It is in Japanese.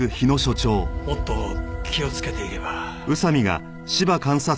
もっと気をつけていれば。